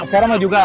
askaranya mau juga